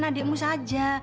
menang adikmu saja